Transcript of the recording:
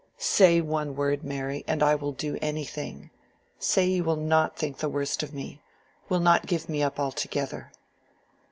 "Say one word, Mary, and I will do anything. Say you will not think the worst of me—will not give me up altogether."